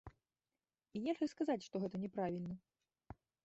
І нельга сказаць, што гэта няправільна.